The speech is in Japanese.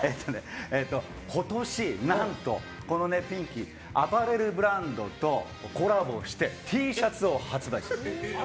今年何と、このピンキーアパレルブランドとコラボしてＴシャツを発売してます。